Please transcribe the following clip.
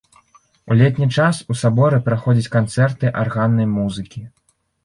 У летні час у саборы праходзяць канцэрты арганнай музыкі.